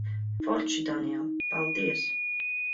Forši, Daniel. Paldies.